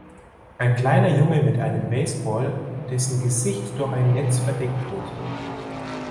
Ein kleiner junge mit einem Baseball, dessen Gesicht durch ein Netz verdeckt wird.